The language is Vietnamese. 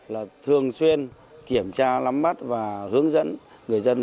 là thường xuyên kiểm tra lắm bắt và hướng dẫn người dân